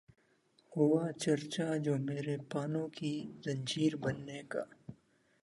ہوا چرچا جو میرے پانو کی زنجیر بننے کا